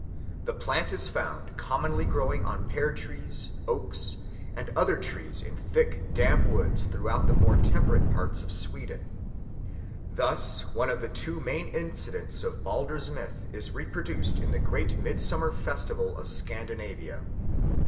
The plant is found commonly growing on pear trees, oaks, and other trees in thick damp woods throughout the more temperate parts of Sweden. Thus one of the two main incidents of Balder's myth is reproduced in the great midsummer festival of Scandinavia.